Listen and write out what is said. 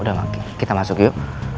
udah oke kita masuk yuk